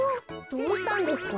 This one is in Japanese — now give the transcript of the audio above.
どうしたんですか？